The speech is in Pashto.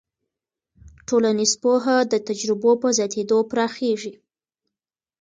ټولنیز پوهه د تجربو په زیاتېدو پراخېږي.